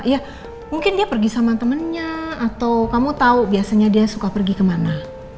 ya mungkin dia pergi sama temennya atau kamu tahu biasanya dia suka pergi kemana